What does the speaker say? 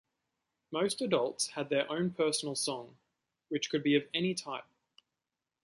Most adults had their own personal song, which could be of any type.